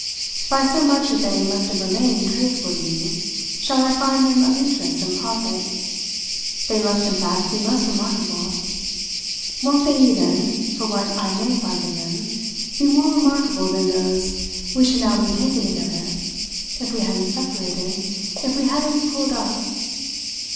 By so much as they must have remained traceable to you, shall I find them of interest and profit. They must in fact be most remarkable: won't they even for what I may find in them be more remarkable than those we should now be taking together if we hadn't separated, if we hadn't pulled up?"